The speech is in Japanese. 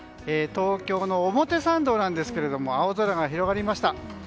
東京の表参道ですけど青空が広がりました。